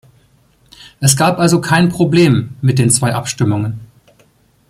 Es gab also kein Problem mit den zwei Abstimmungen.